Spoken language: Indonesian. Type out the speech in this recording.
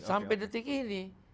sampai detik ini